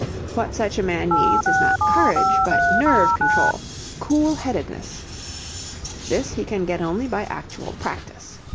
What such a man needs is not courage but nerve control, cool headedness. This he can get only by actual practice.